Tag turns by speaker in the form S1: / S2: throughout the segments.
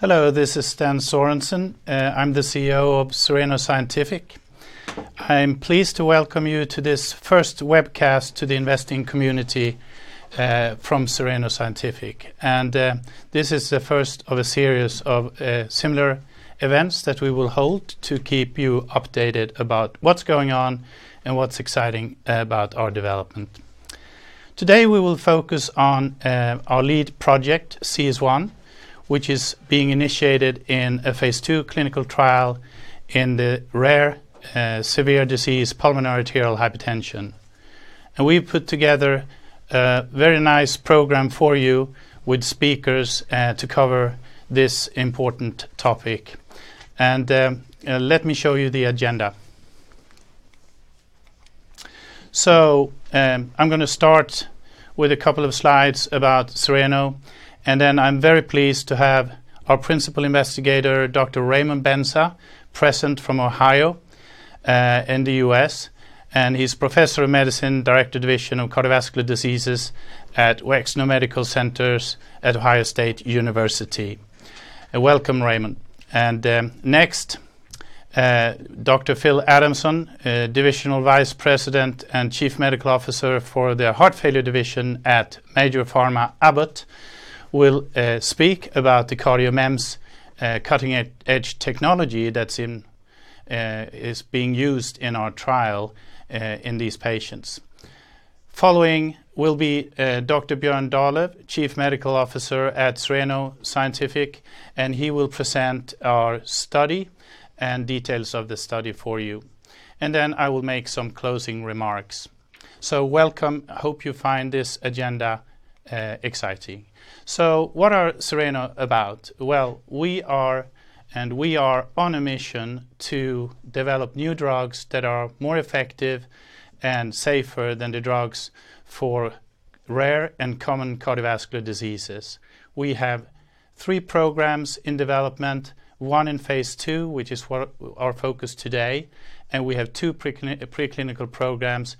S1: Hello, this is Sten Sörensen. I'm the CEO of Cereno Scientific. I'm pleased to welcome you to this first webcast to the investing community from Cereno Scientific. This is the first of a series of similar events that we will hold to keep you updated about what's going on and what's exciting about our development. Today, we will focus on our lead project, CS1, which is being initiated in a phase II clinical trial in the rare severe disease, pulmonary arterial hypertension. We've put together a very nice program for you with speakers to cover this important topic. Let me show you the agenda. I'm gonna start with a couple of slides about Cereno, and then I'm very pleased to have our principal investigator, Dr. Raymond Benza, present from Ohio in the U.S. He's Professor of Medicine, Director, Division of Cardiovascular Diseases at Wexner Medical Center at The Ohio State University. Welcome, Raymond. Next, Dr. Phil Adamson, Divisional Vice President and Chief Medical Officer for the Heart Failure Division at Abbott, will speak about the CardioMEMS cutting-edge technology that's being used in our trial in these patients. Following will be Dr. Björn Dahlöf, Chief Medical Officer at Cereno Scientific, and he will present our study and details of the study for you. Then I will make some closing remarks. Welcome, hope you find this agenda exciting. What are Cereno about? Well, we are on a mission to develop new drugs that are more effective and safer than the drugs for rare and common cardiovascular diseases. We have three programs in development, one in phase II, which is what our focus today, and we have two preclinical programs,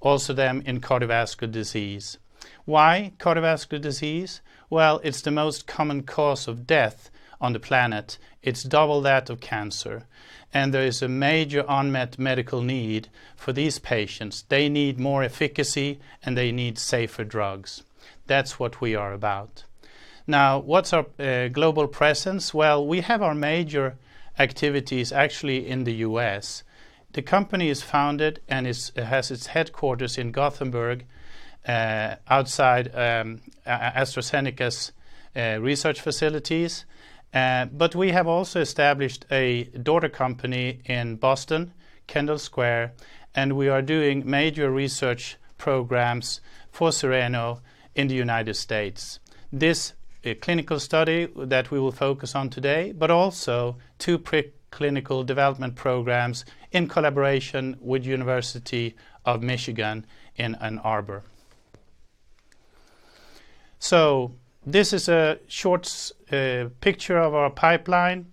S1: also them in cardiovascular disease. Why cardiovascular disease? Well, it's the most common cause of death on the planet. It's double that of cancer. There is a major unmet medical need for these patients. They need more efficacy, and they need safer drugs. That's what we are about. Now, what's our global presence? Well, we have our major activities, actually in the U.S. The company is founded and it has its headquarters in Gothenburg, outside AstraZeneca's research facilities. But we have also established a daughter company in Boston, Kendall Square, and we are doing major research programs for Cereno in the United States. This is a clinical study that we will focus on today, but also two preclinical development programs in collaboration with University of Michigan in Ann Arbor. This is a short picture of our pipeline.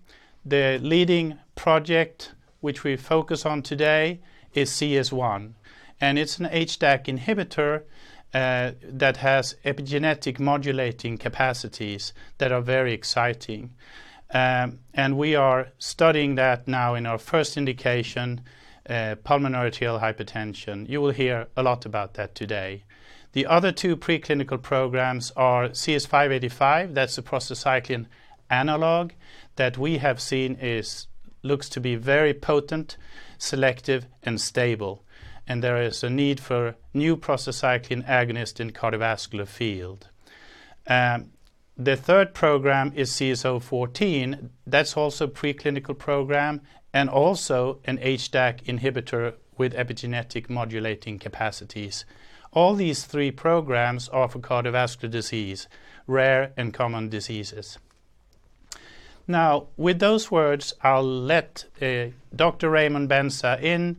S1: The leading project, which we focus on today, is CS1, and it's an HDAC inhibitor that has epigenetic modulating capacities that are very exciting. We are studying that now in our first indication, pulmonary arterial hypertension. You will hear a lot about that today. The other two preclinical programs are CS585. That's a prostacyclin analog that we have seen looks to be very potent, selective, and stable, and there is a need for new prostacyclin agonist in cardiovascular field. The third program is CS014. That's also preclinical program and also an HDAC inhibitor with epigenetic modulating capacities. All these three programs are for cardiovascular disease, rare and common diseases. Now, with those words, I'll let Dr. Raymond Benza,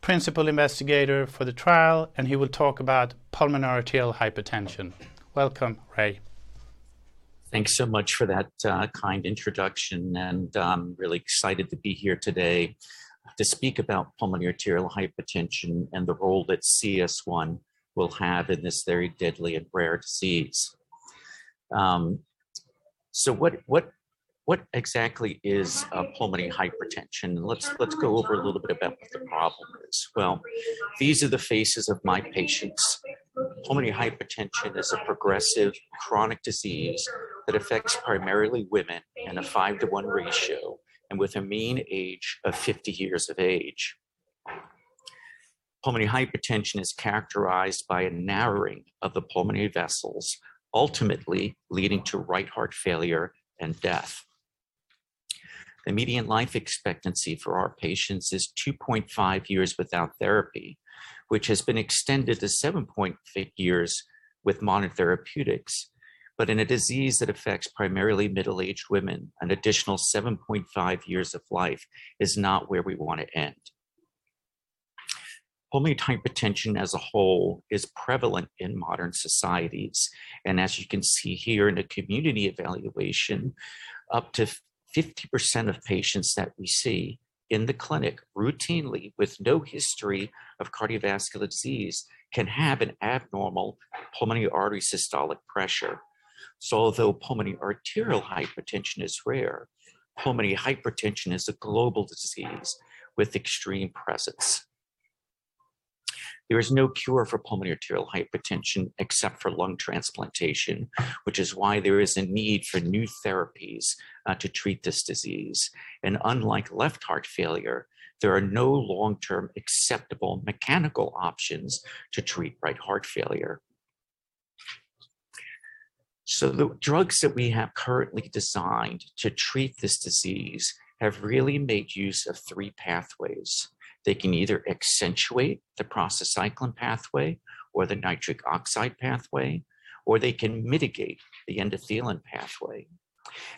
S1: principal investigator for the trial, in and he will talk about pulmonary arterial hypertension. Welcome, Ray.
S2: Thanks so much for that, kind introduction, and I'm really excited to be here today to speak about pulmonary arterial hypertension and the role that CS1 will have in this very deadly and rare disease. What exactly is a pulmonary hypertension? Let's go over a little bit about what the problem is. Well, these are the faces of my patients. Pulmonary hypertension is a progressive chronic disease that affects primarily women in a five-one ratio and with a mean age of 50 years of age. Pulmonary hypertension is characterized by a narrowing of the pulmonary vessels, ultimately leading to right heart failure and death. The median life expectancy for our patients is 2.5 years without therapy, which has been extended to 7.5 years with monotherapeutics. In a disease that affects primarily middle-aged women, an additional 7.5 years of life is not where we wanna end. Pulmonary hypertension as a whole is prevalent in modern societies. As you can see here in the community evaluation, up to 50% of patients that we see in the clinic routinely with no history of cardiovascular disease can have an abnormal pulmonary artery systolic pressure. Although pulmonary arterial hypertension is rare, pulmonary hypertension is a global disease with extreme presence. There is no cure for pulmonary arterial hypertension except for lung transplantation, which is why there is a need for new therapies to treat this disease. Unlike left heart failure, there are no long-term acceptable mechanical options to treat right heart failure. The drugs that we have currently designed to treat this disease have really made use of three pathways. They can either accentuate the prostacyclin pathway or the nitric oxide pathway, or they can mitigate the endothelin pathway.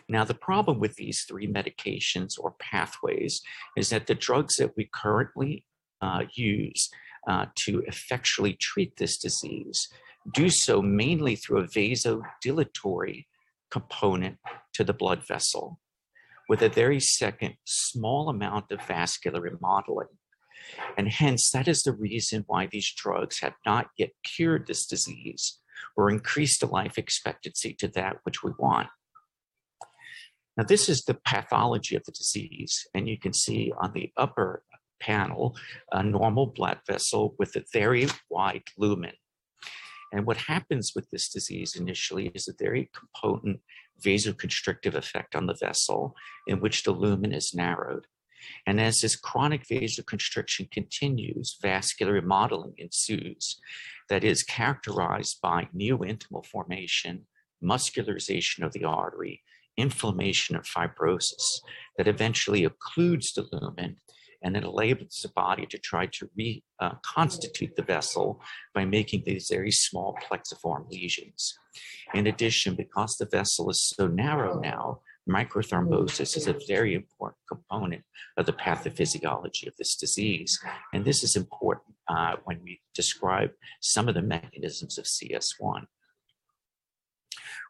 S2: Now, the problem with these three medications or pathways is that the drugs that we currently use to effectively treat this disease do so mainly through a vasodilatory component to the blood vessel with a very, very small amount of vascular remodeling. Hence, that is the reason why these drugs have not yet cured this disease or increased the life expectancy to that which we want. Now, this is the pathology of the disease, and you can see on the upper panel a normal blood vessel with a very wide lumen. What happens with this disease initially is a very potent vasoconstrictive effect on the vessel in which the lumen is narrowed. As this chronic vasoconstriction continues, vascular remodeling ensues that is characterized by neointimal formation, muscularization of the artery, inflammation of fibrosis that eventually occludes the lumen and then enables the body to try to constitute the vessel by making these very small plexiform lesions. In addition, because the vessel is so narrow now, microthrombosis is a very important component of the pathophysiology of this disease, and this is important when we describe some of the mechanisms of CS1.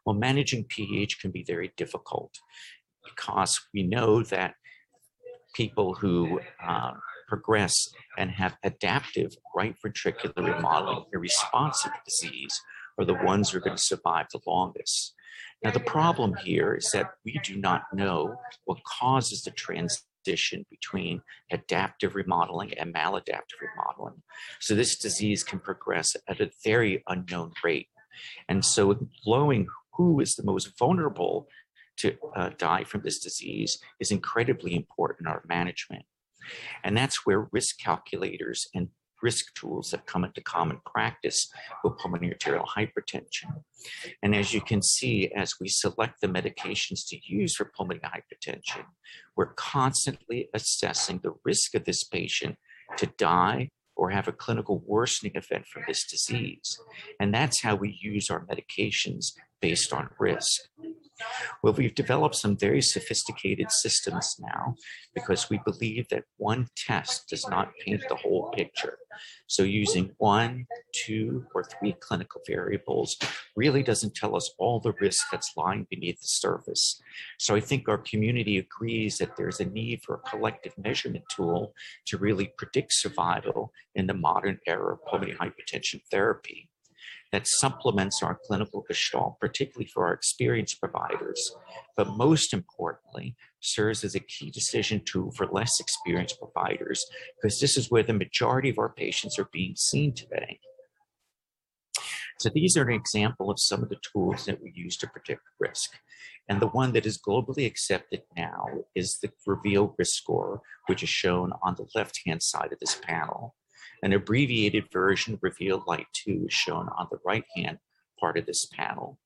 S2: Well, managing PH can be very difficult because we know that people who progress and have adaptive right ventricular remodel, a responsive disease, are the ones who are gonna survive the longest. Now, the problem here is that we do not know what causes the transition between adaptive remodeling and maladaptive remodeling. This disease can progress at a very unknown rate. Knowing who is the most vulnerable to die from this disease is incredibly important in our management. That's where risk calculators and risk tools have come into common practice with pulmonary arterial hypertension. As you can see, as we select the medications to use for pulmonary hypertension, we're constantly assessing the risk of this patient to die or have a clinical worsening event from this disease. That's how we use our medications based on risk. Well, we've developed some very sophisticated systems now because we believe that one test does not paint the whole picture. Using one, two, or three clinical variables really doesn't tell us all the risk that's lying beneath the surface. I think our community agrees that there's a need for a collective measurement tool to really predict survival in the modern era of pulmonary hypertension therapy that supplements our clinical gestalt, particularly for our experienced providers, most importantly, serves as a key decision tool for less experienced providers because this is where the majority of our patients are being seen today. These are an example of some of the tools that we use to predict risk. The one that is globally accepted now is the REVEAL risk score, which is shown on the left-hand side of this panel. An abbreviated version of REVEAL Lite 2 is shown on the right-hand part of this panel.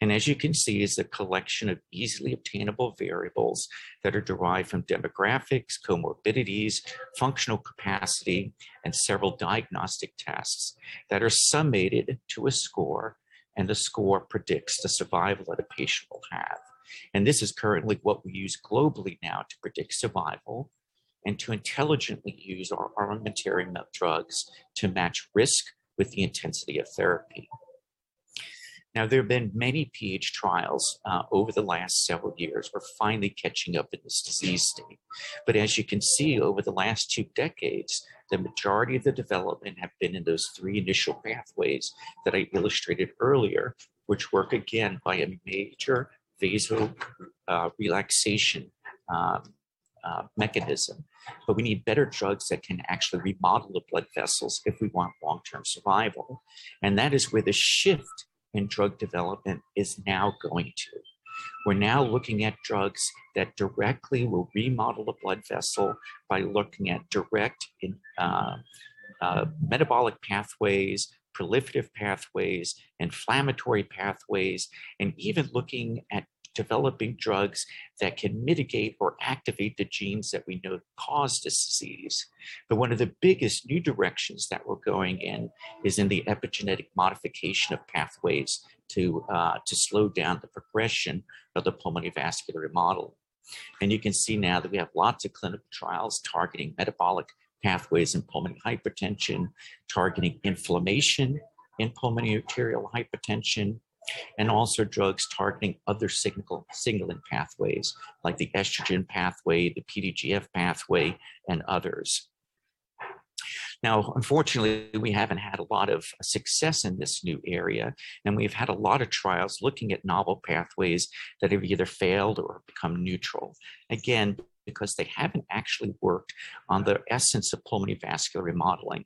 S2: As you can see, it's a collection of easily obtainable variables that are derived from demographics, comorbidities, functional capacity, and several diagnostic tests that are summated to a score, and the score predicts the survival that a patient will have. This is currently what we use globally now to predict survival and to intelligently use our armamentarium of drugs to match risk with the intensity of therapy. Now, there have been many PH trials over the last several years. We're finally catching up in this disease state. As you can see, over the last two decades, the majority of the development have been in those three initial pathways that I illustrated earlier, which work again by a major vessel relaxation mechanism. We need better drugs that can actually remodel the blood vessels if we want long-term survival. That is where the shift in drug development is now going to. We're now looking at drugs that directly will remodel the blood vessel by looking at metabolic pathways, proliferative pathways, inflammatory pathways, and even looking at developing drugs that can mitigate or activate the genes that we know cause this disease. One of the biggest new directions that we're going in is in the epigenetic modification of pathways to slow down the progression of the pulmonary vascular remodeling. You can see now that we have lots of clinical trials targeting metabolic pathways in pulmonary hypertension, targeting inflammation in pulmonary arterial hypertension, and also drugs targeting other signaling pathways like the estrogen pathway, the PDGF pathway, and others. Now, unfortunately, we haven't had a lot of success in this new area, and we've had a lot of trials looking at novel pathways that have either failed or become neutral, again, because they haven't actually worked on the essence of pulmonary vascular remodeling.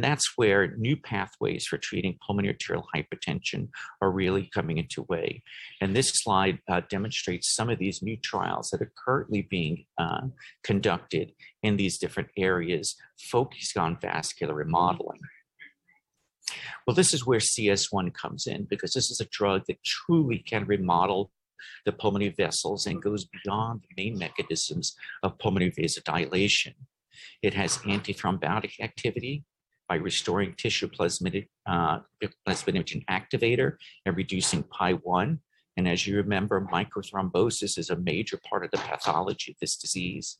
S2: That's where new pathways for treating pulmonary arterial hypertension are really coming into play. This slide demonstrates some of these new trials that are currently being conducted in these different areas focused on vascular remodeling. Well, this is where CS1 comes in because this is a drug that truly can remodel the pulmonary vessels and goes beyond the main mechanisms of pulmonary vasodilation. It has antithrombotic activity by restoring tissue plasminogen activator and reducing PAI-1. As you remember, microthrombosis is a major part of the pathology of this disease.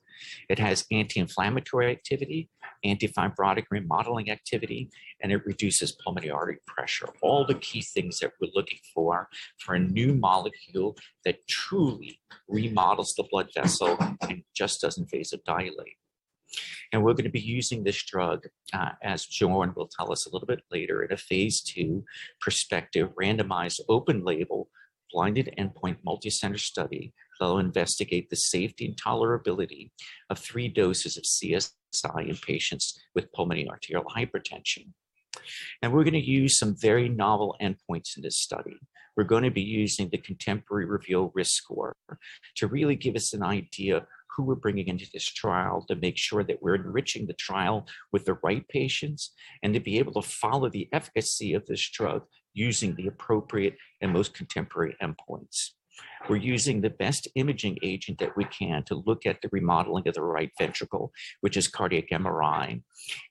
S2: It has anti-inflammatory activity, antifibrotic remodeling activity, and it reduces pulmonary artery pressure. All the key things that we're looking for for a new molecule that truly remodels the blood vessel and just doesn't vasodilate. We're going to be using this drug, as Björn Dahlöf will tell us a little bit later, in a phase II prospective randomized open label blinded endpoint multicenter study that will investigate the safety and tolerability of three doses of CS1 in patients with pulmonary arterial hypertension. We're going to use some very novel endpoints in this study. We're going to be using the contemporary REVEAL risk score to really give us an idea who we're bringing into this trial to make sure that we're enriching the trial with the right patients and to be able to follow the efficacy of this drug using the appropriate and most contemporary endpoint. We're using the best imaging agent that we can to look at the remodeling of the right ventricle, which is cardiac MRI.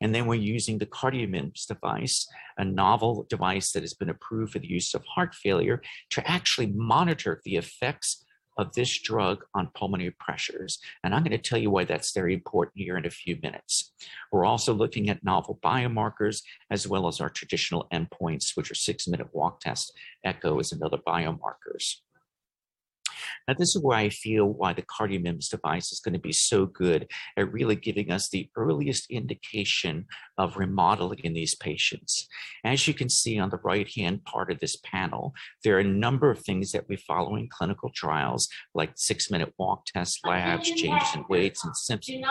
S2: Then we're using the CardioMEMS device, a novel device that has been approved for the use of heart failure, to actually monitor the effects of this drug on pulmonary pressures. I'm going to tell you why that's very important here in a few minutes. We're also looking at novel biomarkers as well as our traditional endpoints, which are six-minute walk test, echo, and some other biomarkers. Now, this is where I feel why the CardioMEMS device is going to be so good at really giving us the earliest indication of remodeling in these patients. As you can see on the right-hand part of this panel, there are a number of things that we follow in clinical trials, like six-minute walk tests, NYHA changes in weights and symptoms,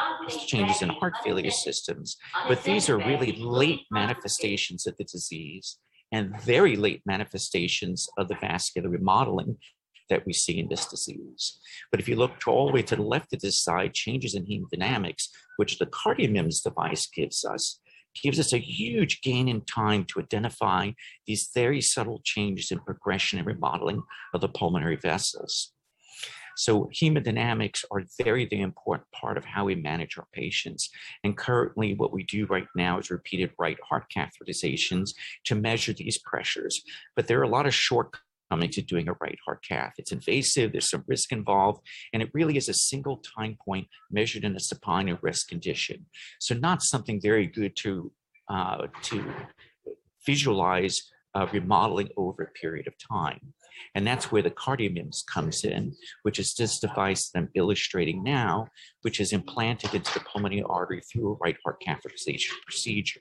S2: changes in heart failure symptoms. These are really late manifestations of the disease and very late manifestations of the vascular remodeling that we see in this disease. If you look all the way to the left of this slide, changes in hemodynamics, which the CardioMEMS device gives us, gives us a huge gain in time to identify these very subtle changes in progression and remodeling of the pulmonary vessels. Hemodynamics are a very, very important part of how we manage our patients. Currently, what we do right now is repeated right heart catheterizations to measure these pressures. There are a lot of shortcomings to doing a right heart cath. It's invasive, there's some risk involved, and it really is a single time point measured in a supine or risk condition. Not something very good to visualize remodeling over a period of time. That's where the CardioMEMS comes in, which is this device that I'm illustrating now, which is implanted into the pulmonary artery through a right heart catheterization procedure.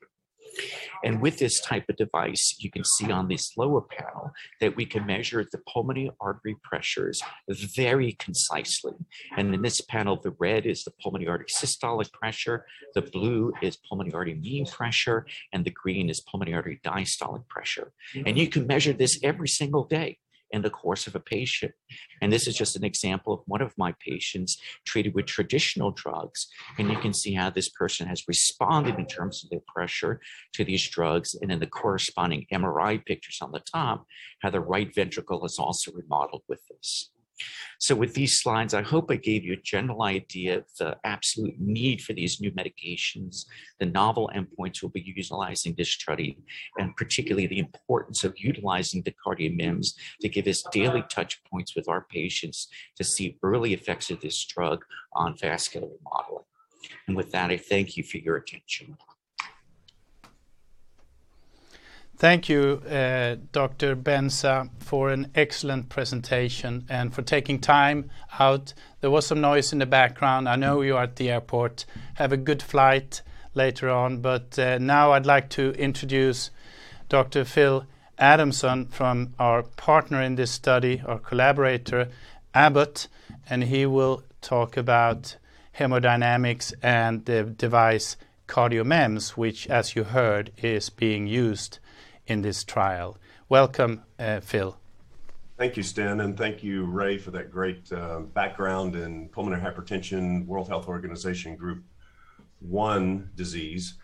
S2: With this type of device, you can see on this lower panel that we can measure the pulmonary artery pressures very concisely. In this panel, the red is the pulmonary artery systolic pressure, the blue is pulmonary artery mean pressure, and the green is pulmonary artery diastolic pressure. You can measure this every single day in the course of a patient. This is just an example of one of my patients treated with traditional drugs. You can see how this person has responded in terms of their pressure to these drugs, and in the corresponding MRI pictures on the top, how the right ventricle is also remodeled with this. With these slides, I hope I gave you a general idea of the absolute need for these new medications, the novel endpoints we'll be utilizing in this study, and particularly the importance of utilizing the CardioMEMS to give us daily touch points with our patients to see early effects of this drug on vascular remodeling. With that, I thank you for your attention.
S1: Thank you, Dr. Benza, for an excellent presentation and for taking time out. There was some noise in the background. I know you are at the airport. Have a good flight later on. Now I'd like to introduce Dr. Phil Adamson from our partner in this study, our collaborator, Abbott, and he will talk about hemodynamics and the device CardioMEMS, which as you heard, is being used in this trial. Welcome, Phil.
S3: Thank you, Sten, and thank you, Ray, for that great background in pulmonary hypertension, World Health Organization Group one disease.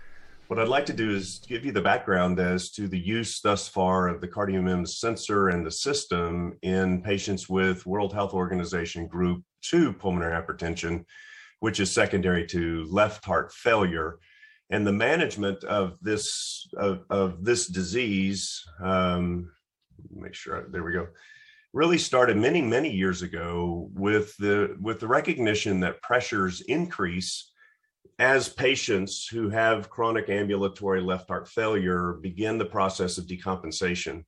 S3: What I'd like to do is give you the background as to the use thus far of the CardioMEMS sensor and the system in patients with World Health Organization Group two pulmonary hypertension, which is secondary to left heart failure. The management of this disease. It really started many years ago with the recognition that pressures increase as patients who have chronic ambulatory left heart failure begin the process of decompensation.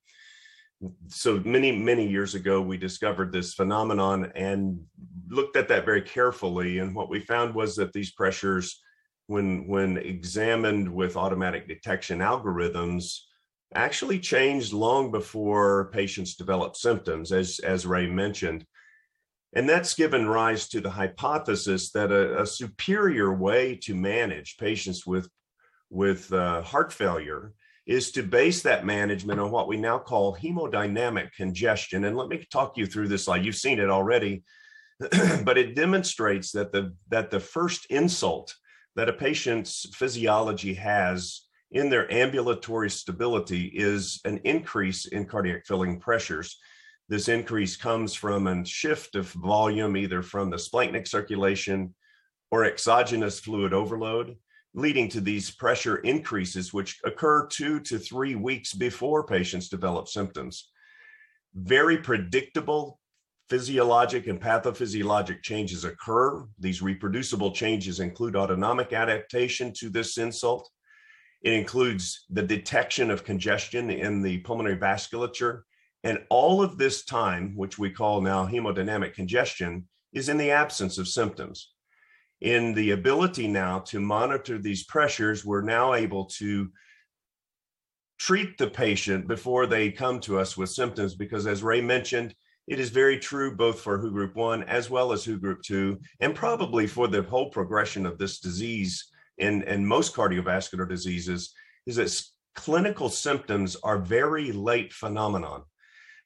S3: Many years ago, we discovered this phenomenon and looked at that very carefully. What we found was that these pressures, when examined with automatic detection algorithms, actually changed long before patients developed symptoms, as Ray mentioned. That's given rise to the hypothesis that a superior way to manage patients with heart failure is to base that management on what we now call hemodynamic congestion. Let me talk you through this slide. You've seen it already, but it demonstrates that the first insult that a patient's physiology has in their ambulatory stability is an increase in cardiac filling pressures. This increase comes from a shift of volume, either from the splanchnic circulation or exogenous fluid overload, leading to these pressure increases which occur two-three weeks before patients develop symptoms. Very predictable physiologic and pathophysiologic changes occur. These reproducible changes include autonomic adaptation to this insult. It includes the detection of congestion in the pulmonary vasculature. All of this time, which we call now hemodynamic congestion, is in the absence of symptoms. With the ability now to monitor these pressures, we're now able to treat the patient before they come to us with symptoms, because as Ray mentioned, it is very true both for WHO Group one as well as WHO Group two, and probably for the whole progression of this disease and most cardiovascular diseases, is that its clinical symptoms are a very late phenomenon.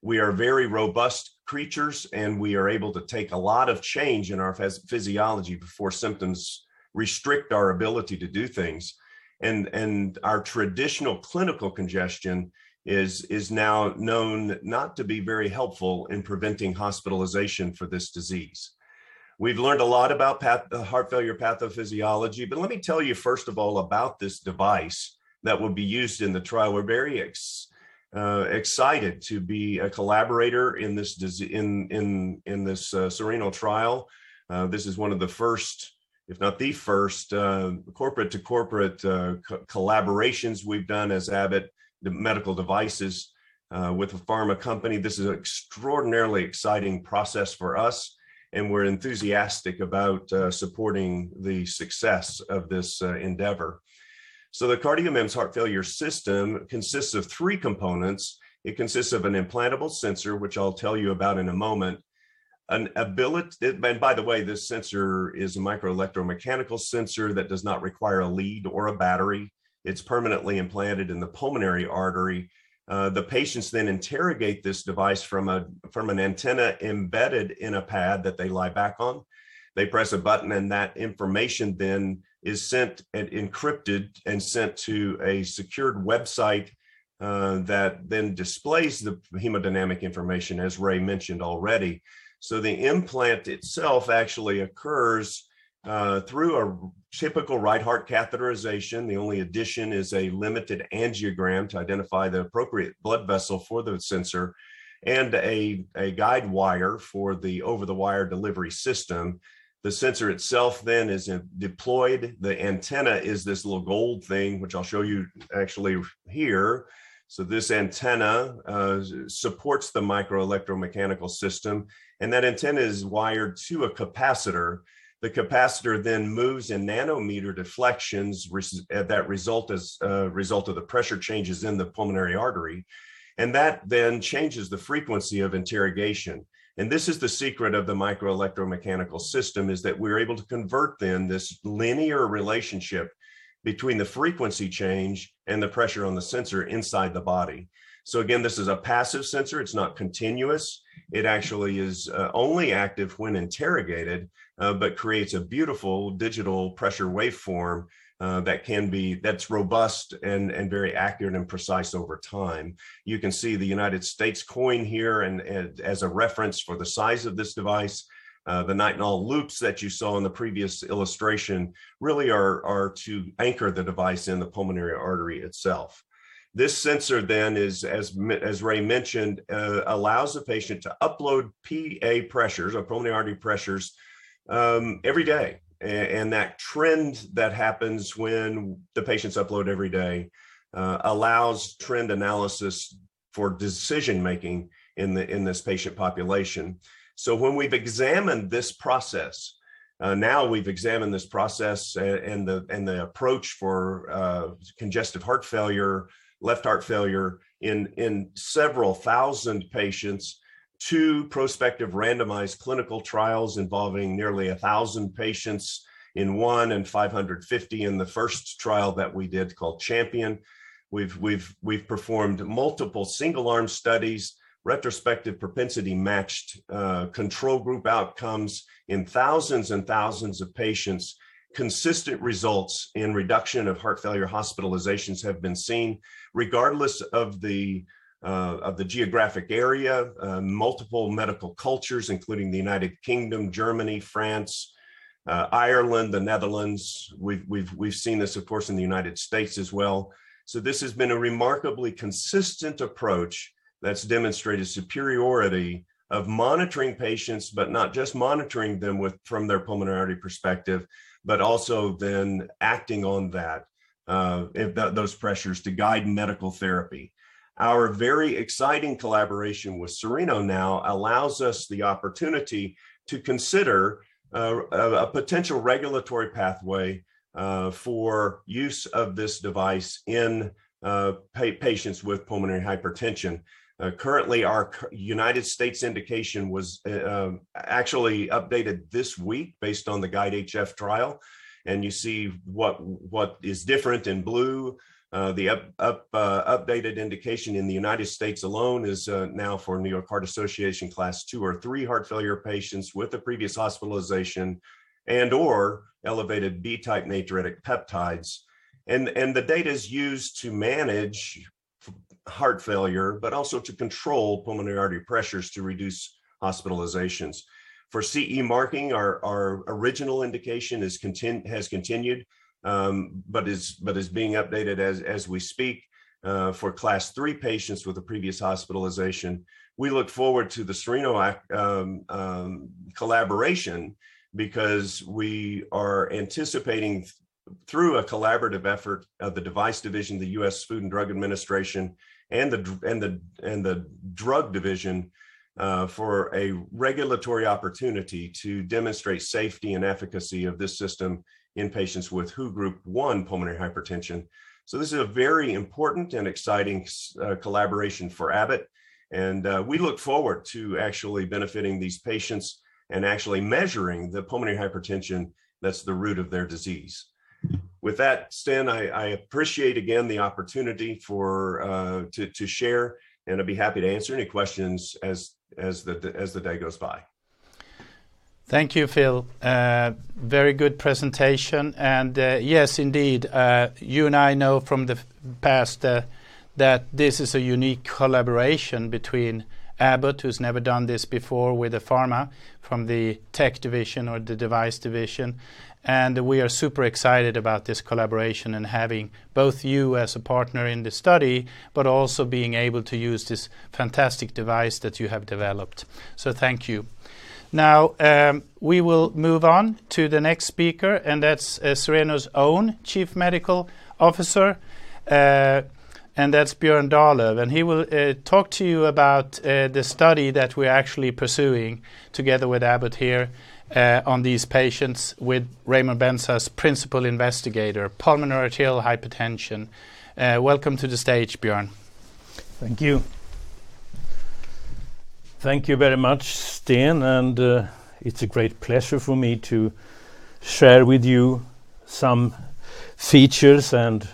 S3: We are very robust creatures, and we are able to take a lot of change in our physiology before symptoms restrict our ability to do things. Our traditional clinical congestion is now known not to be very helpful in preventing hospitalization for this disease. We've learned a lot about heart failure pathophysiology, but let me tell you first of all about this device that will be used in the trial. We're very excited to be a collaborator in this Cereno trial. This is one of the first, if not the first, corporate-to-corporate collaborations we've done as Abbott, the medical devices, with a pharma company. This is extraordinarily exciting process for us, and we're enthusiastic about supporting the success of this endeavor. The CardioMEMS heart failure system consists of three components. It consists of an implantable sensor, which I'll tell you about in a moment. By the way, this sensor is a microelectromechanical sensor that does not require a lead or a battery. It's permanently implanted in the pulmonary artery. The patients then interrogate this device from an antenna embedded in a pad that they lie back on. They press a button, and that information then is sent and encrypted and sent to a secured website that then displays the hemodynamic information, as Ray mentioned already. The implant itself actually occurs through a typical right heart catheterization. The only addition is a limited angiogram to identify the appropriate blood vessel for the sensor and a guide wire for the over-the-wire delivery system. The sensor itself then is deployed. The antenna is this little gold thing, which I'll show you actually here. This antenna supports the microelectromechanical system, and that antenna is wired to a capacitor. The capacitor then moves in nanometer deflections that result as a result of the pressure changes in the pulmonary artery, and that then changes the frequency of interrogation. This is the secret of the microelectromechanical system, is that we're able to convert then this linear relationship between the frequency change and the pressure on the sensor inside the body. Again, this is a passive sensor. It's not continuous. It actually is only active when interrogated, but creates a beautiful digital pressure waveform that's robust and very accurate and precise over time. You can see the United States coin here and as a reference for the size of this device. The Nitinol loops that you saw in the previous illustration really are to anchor the device in the pulmonary artery itself. This sensor then is, as Ray mentioned, allows the patient to upload PA pressures or pulmonary artery pressures every day. That trend that happens when the patients upload every day allows trend analysis for decision-making in this patient population. When we've examined this process, we've examined this process and the approach for congestive heart failure, left heart failure in several thousand patients, two prospective randomized clinical trials involving nearly 1,000 patients in one and 550 in the first trial that we did called CHAMPION. We've performed multiple single-arm studies, retrospective propensity-matched control group outcomes in thousands and thousands of patients. Consistent results in reduction of heart failure hospitalizations have been seen regardless of the geographic area, multiple medical cultures, including the United Kingdom, Germany, France, Ireland, the Netherlands. We've seen this of course in the United States as well. This has been a remarkably consistent approach that's demonstrated superiority of monitoring patients, but not just monitoring them from their pulmonary perspective, but also then acting on that, those pressures to guide medical therapy. Our very exciting collaboration with Cereno now allows us the opportunity to consider a potential regulatory pathway for use of this device in patients with pulmonary hypertension. Currently our United States indication was actually updated this week based on the GUIDE-HF trial. You see what is different in blue. The updated indication in the United States alone is now for New York Heart Association Class II or III heart failure patients with a previous hospitalization and/or elevated B-type natriuretic peptides. The data is used to manage heart failure, but also to control pulmonary artery pressures to reduce hospitalizations. For CE marking, our original indication has continued, but is being updated as we speak for Class III patients with a previous hospitalization. We look forward to the Cereno collaboration because we are anticipating through a collaborative effort of the Device Division of the U.S. Food and Drug Administration and the Drug Division for a regulatory opportunity to demonstrate safety and efficacy of this system in patients with WHO Group one pulmonary hypertension. This is a very important and exciting collaboration for Abbott, and we look forward to actually benefiting these patients and actually measuring the pulmonary hypertension that's the root of their disease. With that, Sten, I appreciate again the opportunity to share, and I'd be happy to answer any questions as the day goes by.
S1: Thank you, Phil. Very good presentation. Yes, indeed, you and I know from the past that this is a unique collaboration between Abbott, who's never done this before, with a pharma from the tech division or the device division. We are super excited about this collaboration and having both you as a partner in this study but also being able to use this fantastic device that you have developed. Thank you. Now, we will move on to the next speaker, and that's Cereno's own Chief Medical Officer, Björn Dahlöf, and he will talk to you about the study that we're actually pursuing together with Abbott here on these patients with Raymond Benza as principal investigator, pulmonary arterial hypertension. Welcome to the stage, Björn.
S4: Thank you. Thank you very much, Sten. It's a great pleasure for me to share with you some features and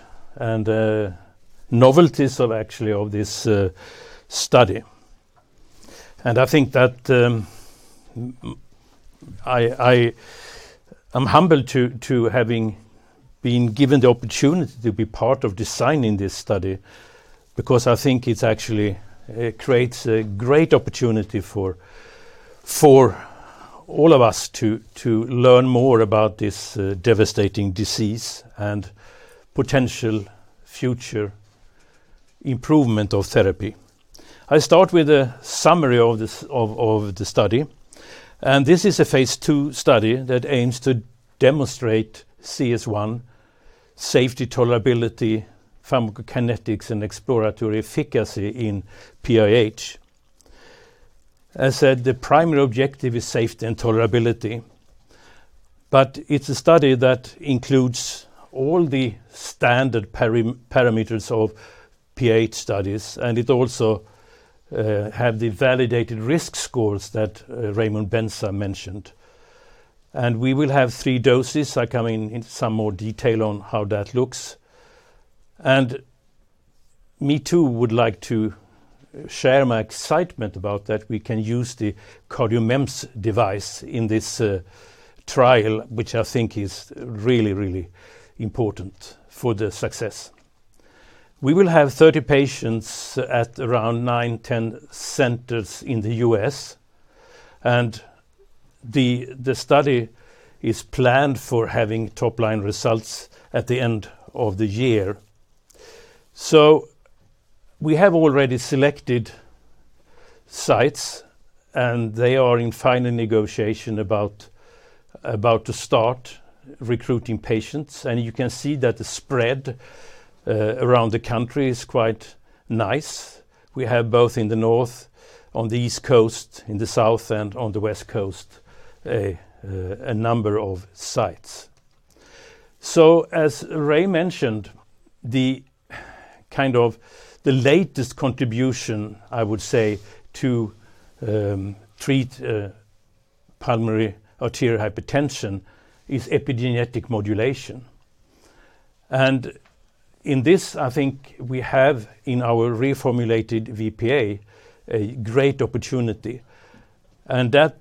S4: novelties of actually of this study. I think that I'm humbled to having been given the opportunity to be part of designing this study because I think it's actually it creates a great opportunity for all of us to learn more about this devastating disease and potential future improvement of therapy. I start with a summary of this of the study, and this is a phase II study that aims to demonstrate CS1 safety, tolerability, pharmacokinetics, and exploratory efficacy in PAH. As said, the primary objective is safety and tolerability, but it's a study that includes all the standard parameters of PAH studies, and it also have the validated risk scores that Raymond Benza mentioned. We will have three doses. I come in, into some more detail on how that looks. Me too would like to share my excitement about that we can use the CardioMEMS device in this trial, which I think is really, really important for the success. We will have 30 patients at around nine, 10 centers in the U.S., and the study is planned for having top-line results at the end of the year. We have already selected sites, and they are in final negotiation about to start recruiting patients. You can see that the spread around the country is quite nice. We have both in the north, on the East Coast, in the south, and on the West Coast, a number of sites. As Ray mentioned, the kind of latest contribution, I would say, to treat pulmonary arterial hypertension is epigenetic modulation. In this, I think we have in our reformulated VPA a great opportunity and that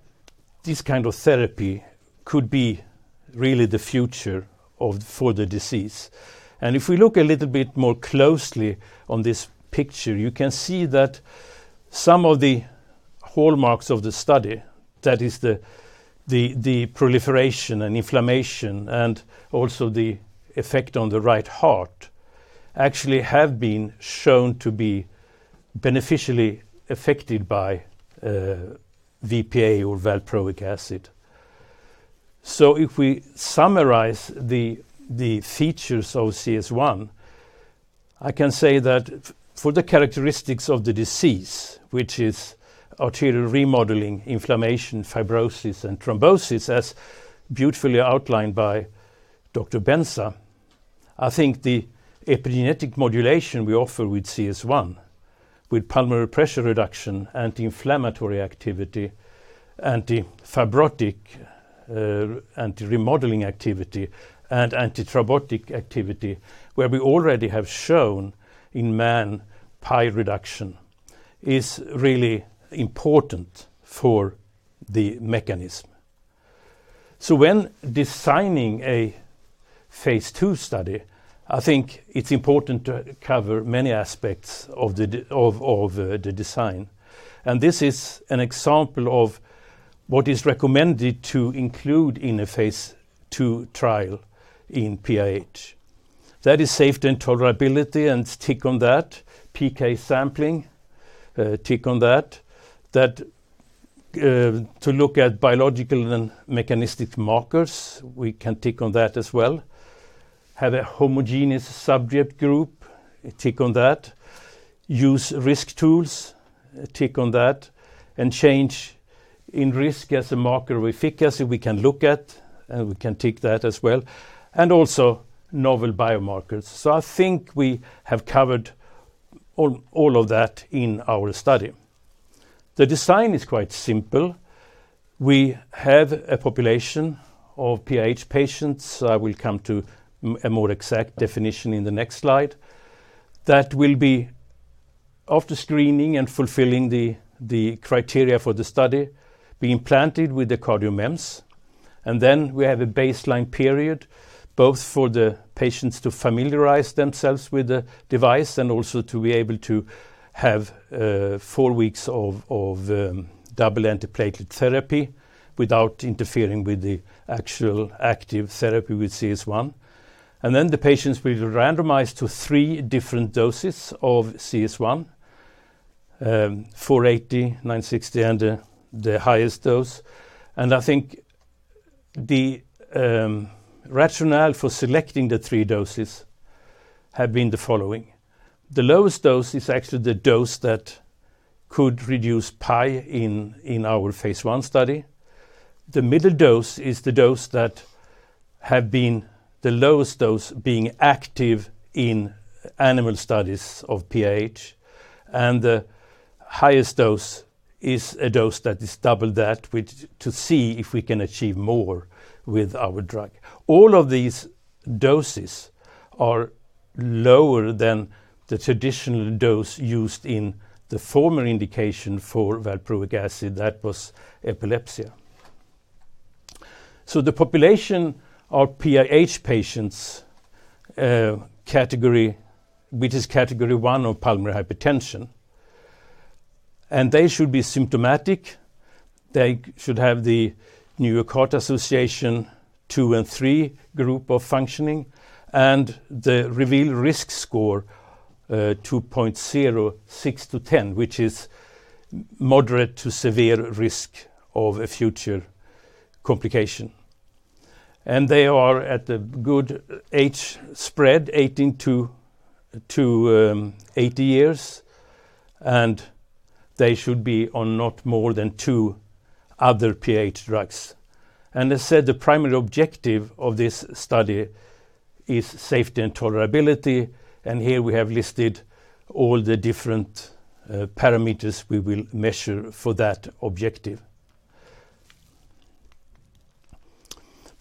S4: this kind of therapy could be really the future for the disease. If we look a little bit more closely on this picture, you can see that some of the hallmarks of the study, that is the proliferation and inflammation and also the effect on the right heart, actually have been shown to be beneficially affected by VPA or valproic acid. If we summarize the features of CS1, I can say that for the characteristics of the disease, which is arterial remodeling, inflammation, fibrosis, and thrombosis, as beautifully outlined by Dr. Benza, I think the epigenetic modulation we offer with CS1, with pulmonary pressure reduction, anti-inflammatory activity, anti-fibrotic, anti-remodeling activity, and antithrombotic activity, where we already have shown in man PA reduction, is really important for the mechanism. When designing a phase II study, I think it's important to cover many aspects of the design. This is an example of what is recommended to include in a phase II trial in PAH. That is safety and tolerability, and tick on that. PK sampling, tick on that. That, to look at biological and mechanistic markers, we can tick on that as well. Have a homogeneous subject group, tick on that. Use risk tools, tick on that. Change in risk as a marker of efficacy, we can look at, and we can tick that as well. Also novel biomarkers. I think we have covered all of that in our study. The design is quite simple. We have a population of PAH patients, I will come to a more exact definition in the next slide. That will be after screening and fulfilling the criteria for the study, being implanted with the CardioMEMS. Then we have a baseline period, both for the patients to familiarize themselves with the device and also to be able to have four weeks of dual antiplatelet therapy without interfering with the actual active therapy with CS1. Then the patients will randomize to three different doses of CS1, 480, 960, and the highest dose. I think the rationale for selecting the three doses have been the following. The lowest dose is actually the dose that could reduce PAI in our phase I study. The middle dose is the dose that have been the lowest dose being active in animal studies of PAH. The highest dose is a dose that is double that, which to see if we can achieve more with our drug. All of these doses are lower than the traditional dose used in the former indication for valproic acid, that was epilepsy. The population of PAH patients, category, which is category one of pulmonary hypertension, and they should be symptomatic. They should have the New York Heart Association two and three group of functioning, and the REVEAL risk score, 2.06-10, which is moderate to severe risk of a future complication. They are at a good age spread, 18-80 years, and they should be on not more than two other PAH drugs. As said, the primary objective of this study is safety and tolerability, and here we have listed all the different parameters we will measure for that objective.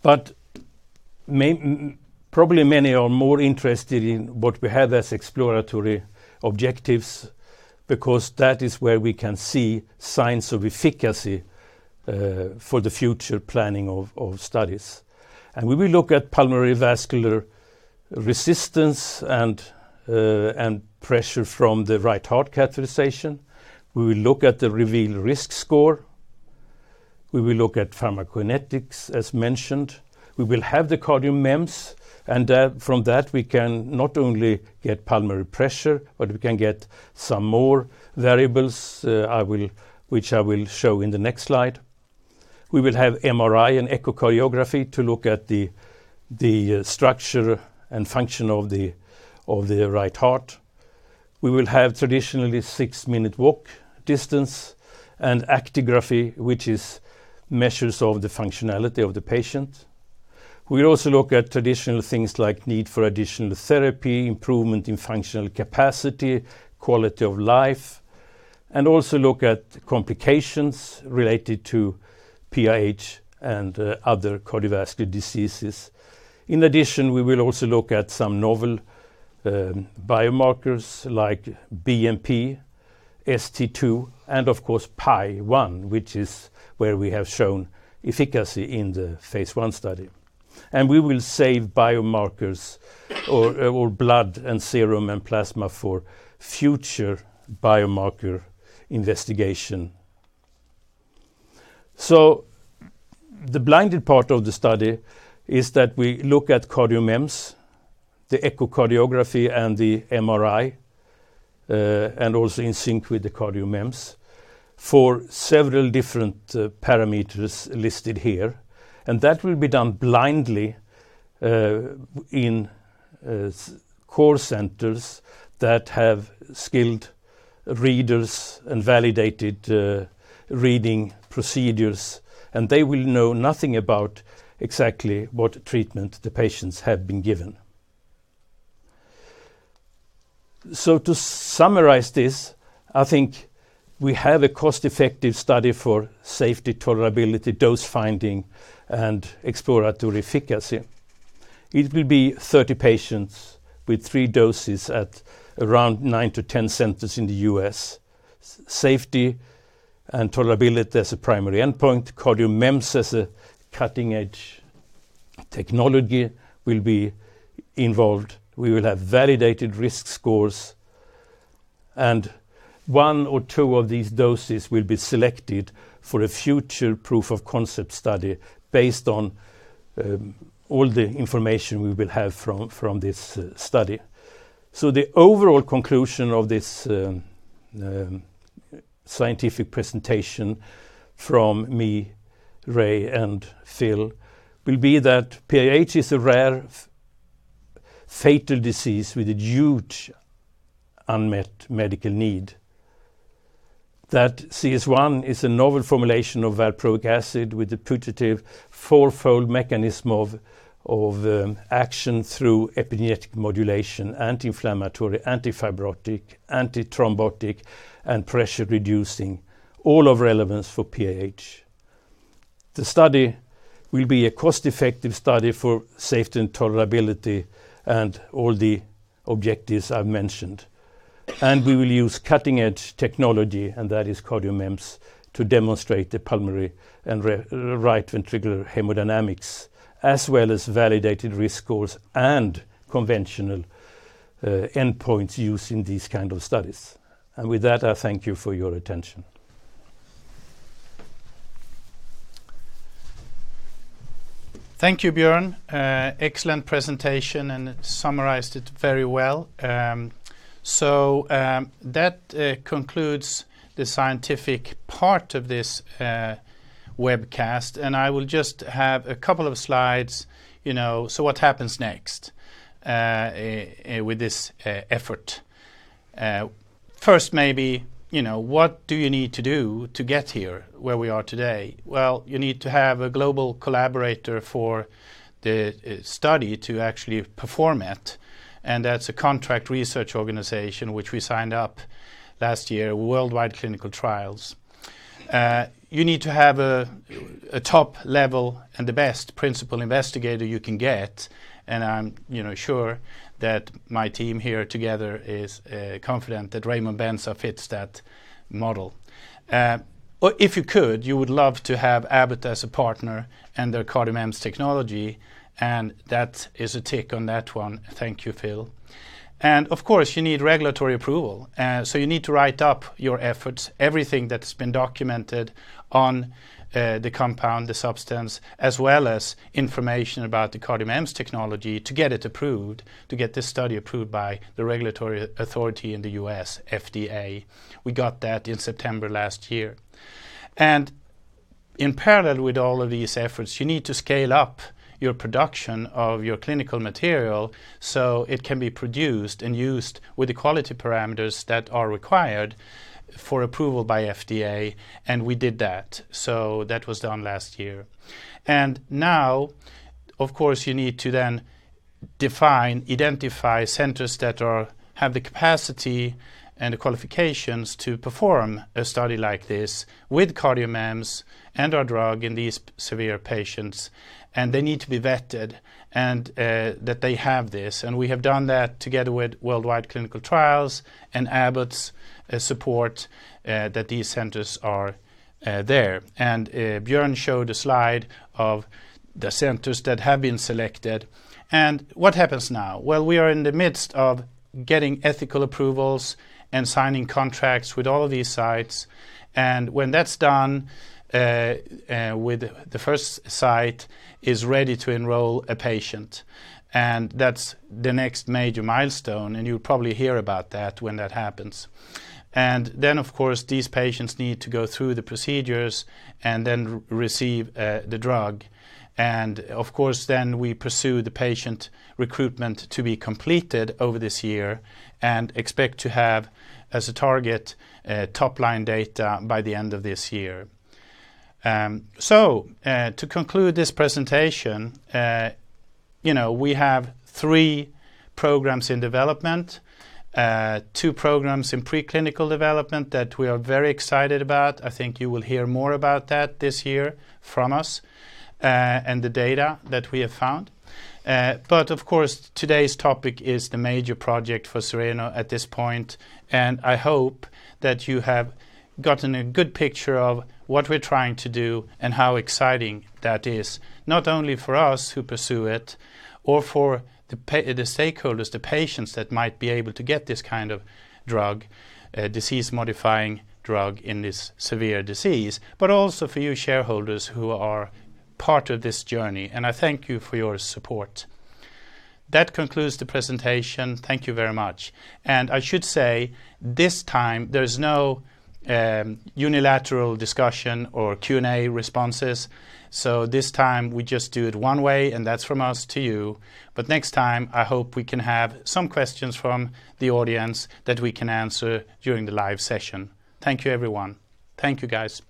S4: Probably many are more interested in what we have as exploratory objectives because that is where we can see signs of efficacy for the future planning of studies. We will look at pulmonary vascular resistance and pressure from the right heart catheterization. We will look at the REVEAL risk score. We will look at pharmacokinetics as mentioned. We will have the CardioMEMS, and from that, we can not only get pulmonary pressure, but we can get some more variables, which I will show in the next slide. We will have MRI and echocardiography to look at the structure and function of the right heart. We will have traditionally six-minute walk distance and actigraphy, which is measures of the functionality of the patient. We will also look at traditional things like need for additional therapy, improvement in functional capacity, quality of life, and also look at complications related to PAH and other cardiovascular diseases. In addition, we will also look at some novel biomarkers like BMP, ST2, and of course PAI-1, which is where we have shown efficacy in the phase I study. We will save biomarkers or blood and serum and plasma for future biomarker investigation. The blinded part of the study is that we look at CardioMEMS, the echocardiography, and the MRI, and also in sync with the CardioMEMS for several different parameters listed here, and that will be done blindly in core centers that have skilled readers and validated reading procedures, and they will know nothing about exactly what treatment the patients have been given. To summarize this, I think we have a cost-effective study for safety, tolerability, dose finding, and exploratory efficacy. It will be 30 patients with three doses at around nine-10 centers in the U.S. Safety and tolerability as a primary endpoint, CardioMEMS as a cutting-edge technology will be involved. We will have validated risk scores, and one or two of these doses will be selected for a future proof of concept study based on all the information we will have from this study. The overall conclusion of this scientific presentation from me, Ray, and Phil will be that PAH is a rare fatal disease with a huge unmet medical need. CS1 is a novel formulation of valproic acid with a putative fourfold mechanism of action through epigenetic modulation, anti-inflammatory, anti-fibrotic, antithrombotic, and pressure reducing all of relevance for PAH. The study will be a cost-effective study for safety and tolerability and all the objectives I've mentioned. We will use cutting-edge technology, and that is CardioMEMS, to demonstrate the pulmonary and right ventricular hemodynamics, as well as validated risk scores and conventional endpoints used in these kind of studies. With that, I thank you for your attention.
S1: Thank you, Björn. Excellent presentation, and it summarized it very well. That concludes the scientific part of this webcast, and I will just have a couple of slides, you know, so what happens next with this effort. First maybe, you know, what do you need to do to get here, where we are today? Well, you need to have a global collaborator for the study to actually perform it, and that's a contract research organization which we signed up last year, Worldwide Clinical Trials. You need to have a top level and the best principal investigator you can get, and I'm, you know, sure that my team here together is confident that Raymond Benza fits that model. If you could, you would love to have Abbott as a partner and their CardioMEMS technology, and that is a tick on that one. Thank you, Phil. Of course, you need regulatory approval. You need to write up your efforts, everything that's been documented on the compound, the substance, as well as information about the CardioMEMS technology to get it approved, to get this study approved by the regulatory authority in the U.S., FDA. We got that in September last year. In parallel with all of these efforts, you need to scale up your production of your clinical material so it can be produced and used with the quality parameters that are required for approval by FDA, and we did that. That was done last year. Now, of course, you need to then define, identify centers that are, have the capacity and the qualifications to perform a study like this with CardioMEMS and our drug in these severe patients. They need to be vetted and, that they have this. We have done that together with Worldwide Clinical Trials and Abbott's, support, that these centers are, there. Björn showed a slide of the centers that have been selected. What happens now? Well, we are in the midst of getting ethical approvals and signing contracts with all of these sites. When that's done, the first site is ready to enroll a patient. That's the next major milestone, and you'll probably hear about that when that happens. Then of course, these patients need to go through the procedures and then receive the drug. Of course, then we pursue the patient recruitment to be completed over this year and expect to have, as a target, top-line data by the end of this year. To conclude this presentation, you know, we have three programs in development, two programs in preclinical development that we are very excited about. I think you will hear more about that this year from us, and the data that we have found. Of course, today's topic is the major project for Cereno at this point, and I hope that you have gotten a good picture of what we're trying to do and how exciting that is, not only for us who pursue it or for the stakeholders, the patients that might be able to get this kind of drug, disease-modifying drug in this severe disease, but also for you shareholders who are part of this journey, and I thank you for your support. That concludes the presentation. Thank you very much. I should say this time, there's no unilateral discussion or Q&A responses. This time, we just do it one way, and that's from us to you. Next time, I hope we can have some questions from the audience that we can answer during the live session. Thank you, everyone. Thank you, guys.